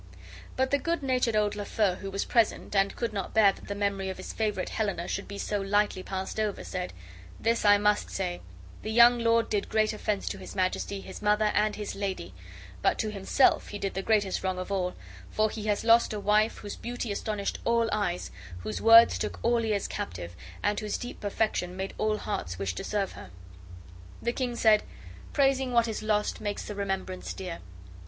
But the good natured old Lafeu, who was present, and could not bear that the memory of his favorite Helena should be so lightly passed over, said, "This I must say, the young lord did great offense to his Majesty, his mother, and his lady; but to himself he did the greatest wrong of all, for he has lost a wife whose beauty astonished all eyes, whose words took all ears captive, whose deep perfection made all hearts wish to serve her." The king said: "Praising what is lost makes the remembrance dear.